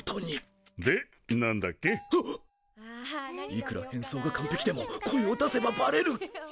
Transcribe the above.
いくら変装が完璧でも声を出せばバレる！